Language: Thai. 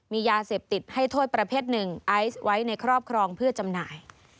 มียาเสพติดให้โทษประเภทหนึ่งไอซ์ไว้ในครอบครองเพื่อจำหน่าย